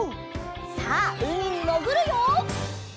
さあうみにもぐるよ！